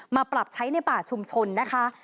ปรับใช้ในป่าชุมชนนะคะ